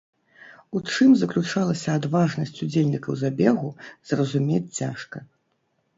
У чым заключалася адважнасць удзельнікаў забегу, зразумець цяжка.